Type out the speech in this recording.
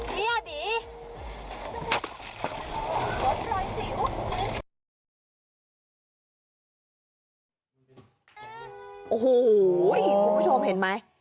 หูคุณผู้ชมเห็นไหม